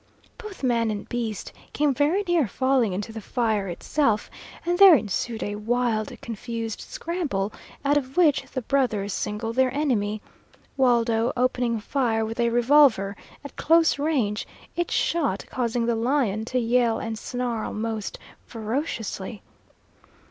Both man and beast came very near falling into the fire itself, and there ensued a wild, confused scramble, out of which the brothers singled their enemy, Waldo opening fire with a revolver, at close range, each shot causing the lion to yell and snarl most ferociously.